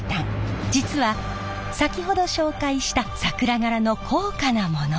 実は先ほど紹介した桜柄の高価なもの。